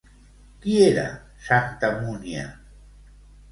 Qui era santa Múnia?